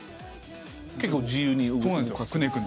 結構自由に動く。